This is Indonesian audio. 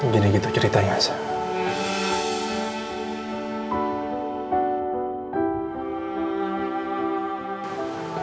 gini gitu ceritanya sa